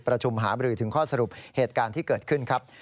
ประชุมหาบรือถึงข้อสรุปเหตุการณ์ที่เกิดขึ้นครับ